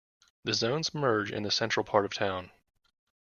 The zones merge in the central part of town.